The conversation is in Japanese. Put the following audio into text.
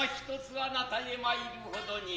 あなたへ参る程に。